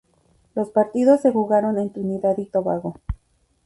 Los partidos se jugaron en Trinidad y Tobago.